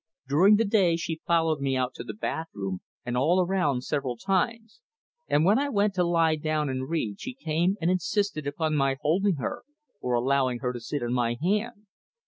During the day she followed me out to the bath room and all around several times, and when I went to lie down and read she came and insisted upon my holding her, or allowing her to sit on my hand.